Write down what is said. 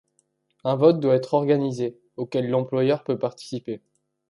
Un vote doit être organisé, auquel l'employeur peut participer.